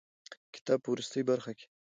د کتاب په وروستۍ برخه کې.